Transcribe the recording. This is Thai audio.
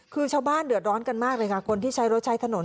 คือชาวบ้านเดือดร้อนกันมากเลยค่ะคนที่ใช้รถใช้ถนน